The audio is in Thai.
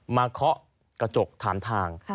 มาเขาะกระจกทานทาง